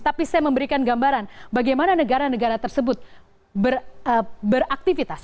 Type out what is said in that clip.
tapi saya memberikan gambaran bagaimana negara negara tersebut beraktivitas